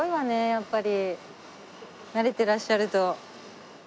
やっぱり慣れてらっしゃると。